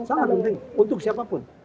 sangat penting untuk siapapun